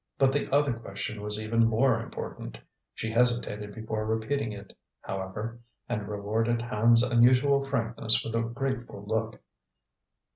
But the other question was even more important. She hesitated before repeating it, however, and rewarded Hand's unusual frankness with a grateful look.